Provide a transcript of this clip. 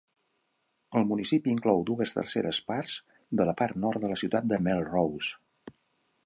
El municipi inclou dues terceres parts de la part nord de la ciutat de Melrose.